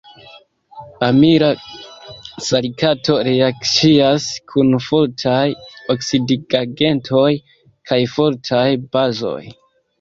Amila salikato reakcias kun fortaj oksidigagentoj kaj fortaj bazoj.